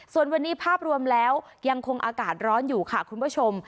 ส่วนวันนี้ภาพรวมแล้วยังคงอากาศร้อนอยู่ค่ะคุณผู้ชม